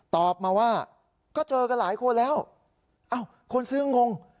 ตอบมาว่าก็เจอกันหลายคนแล้วอ้าวคนซื้องง